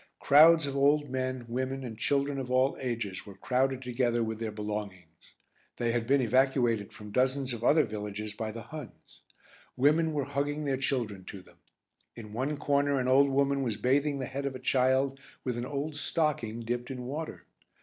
Crowds of old men, women, and children of all ages were crowded together with their belongings. They had been evacuated from dozens of other villages by the Huns. Women were hugging their children to them. In one corner an old woman was bathing the head of a child with an old stocking dipped in water.